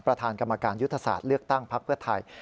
ประธานกรรมการยุทธศาสตร์เลือกตั้งพักเพื่อไทย